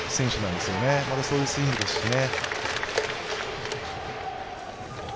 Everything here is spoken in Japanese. またそういうスイングですしね。